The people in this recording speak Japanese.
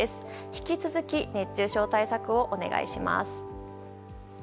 引き続き熱中症対策をお願いします。